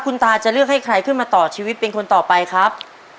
คุณตาจะเลือกให้ใครขึ้นมาต่อชีวิตเป็นคนต่อไปครับ